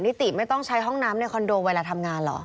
ติไม่ต้องใช้ห้องน้ำในคอนโดเวลาทำงานเหรอ